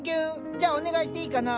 じゃあお願いしていいかな？